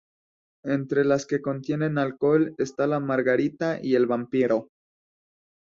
Entre las que contienen alcohol, están la margarita y el vampiro.